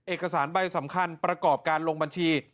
เอกสารใบสำคัญประกอบการลงบัญชี